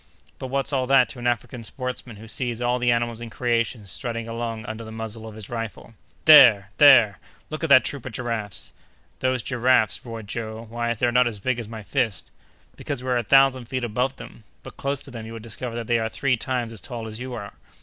"But what's all that to an African sportsman who sees all the animals in creation strutting along under the muzzle of his rifle? There! there! look at that troop of giraffes!" "Those giraffes," roared Joe; "why, they're not as big as my fist." "Because we are a thousand feet above them; but close to them you would discover that they are three times as tall as you are!"